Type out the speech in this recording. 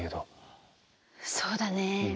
そうだね。